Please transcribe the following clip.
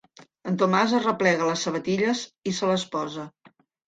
El Tomàs arreplega les sabatilles i se les posa.